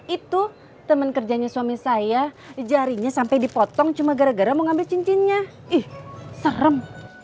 itu teman kerjanya suami saya jarinya sampai dipotong cuma gara gara mau ngambil cincinnya ih serem